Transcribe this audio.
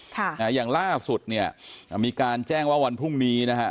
ค่ะนะฮะอย่างล่าสุดเนี่ยอ่ามีการแจ้งว่าวันพรุ่งนี้นะฮะ